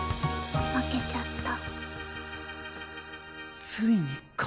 負けちゃった。